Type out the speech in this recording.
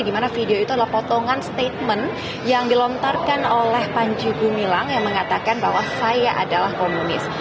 di mana video itu adalah potongan statement yang dilontarkan oleh panji gumilang yang mengatakan bahwa saya adalah komunis